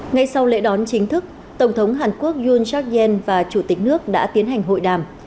ngay sau lễ đón chính thức tổng thống hàn quốc yun chak yen và chủ tịch nước đã tiến hành hội đàm